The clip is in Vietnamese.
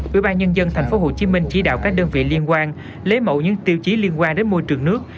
ủy ban nhân dân tp hcm chỉ đạo các đơn vị liên quan lấy mẫu những tiêu chí liên quan đến môi trường nước